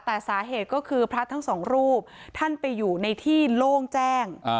แต่สาเหตุก็คือพระทั้งสองรูปท่านไปอยู่ในที่โล่งแจ้ง